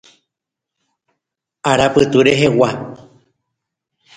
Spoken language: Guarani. Arapytu rehegua.